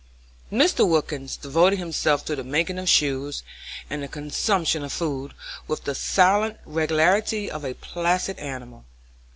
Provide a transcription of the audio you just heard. Mr. Wilkins devoted himself to the making of shoes and the consumption of food, with the silent regularity of a placid animal.